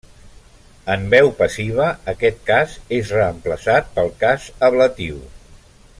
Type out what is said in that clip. En veu passiva aquest cas és reemplaçat pel cas ablatiu.